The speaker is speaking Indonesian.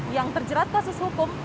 yang terjerat kasus hukum